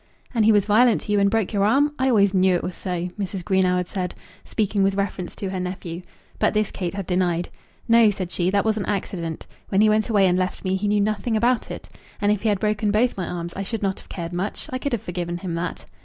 "And he was violent to you, and broke your arm? I always knew it was so," Mrs. Greenow had said, speaking with reference to her nephew. But this Kate had denied. "No," said she; "that was an accident. When he went away and left me, he knew nothing about it. And if he had broken both my arms I should not have cared much. I could have forgiven him that."